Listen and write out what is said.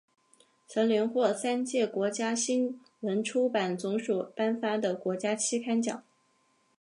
曾连获三届国家新闻出版总署颁发的国家期刊奖。